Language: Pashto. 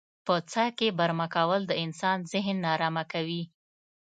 په څاه کې برمه کول د انسان ذهن نا ارامه کوي.